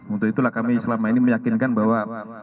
untuk itulah kami selama ini meyakinkan bahwa